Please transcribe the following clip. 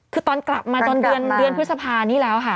คือตอนกลับมาจนเดือนพฤษภานี้แล้วค่ะ